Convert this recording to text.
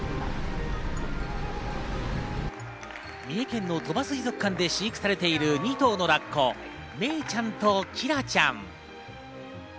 三重県の鳥羽水族館で飼育されている２頭のラッコ、メイちゃんとキラちゃん。